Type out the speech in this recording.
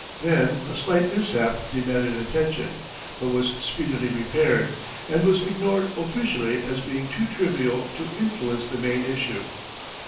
Then a slight mishap demanded attention, but was speedily repaired, and was ignored officially as being too trivial to influence the main issue.